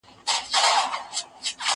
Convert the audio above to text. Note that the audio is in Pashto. زه واښه راوړلي دي؟